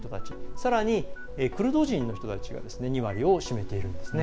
さらに、クルド人の人たちが２割を占めているんですね。